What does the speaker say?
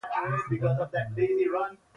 ابن بطوطه به یا عالم و او یا به یې دعوه کړې.